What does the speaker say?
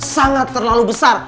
sangat terlalu besar